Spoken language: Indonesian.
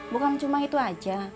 bukan cuma itu aja